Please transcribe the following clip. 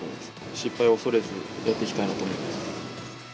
失敗を恐れずやっていきたいと思っています。